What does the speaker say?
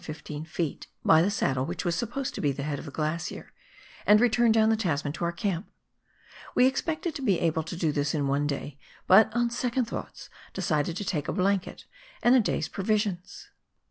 20 PIONEER WORK IN THE ALPS OF NEW ZEALAND. was supposed to be the head of the glacier, and return down the Tasman to our camp. We expected to be able to do this in one day, but on second thoughts decided to take a blanket and a day's provisions.